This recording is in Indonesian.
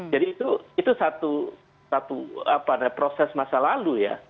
jadi itu satu proses masa lalu ya